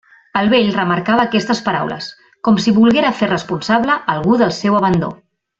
El vell remarcava aquestes paraules, com si volguera fer responsable algú del seu abandó.